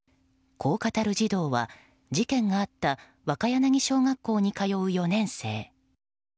こう語る児童は、事件があった若柳小学校に通う４年生。